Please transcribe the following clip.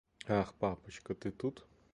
Ах, папочка, ты тут.